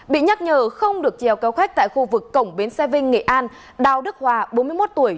bị nhắc nhở không được trèo cao khách tại khu vực cổng bến xe vinh nghệ an đào đức hòa bốn mươi một tuổi